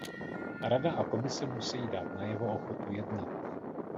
Rada a Komise musejí dát najevo ochotu jednat.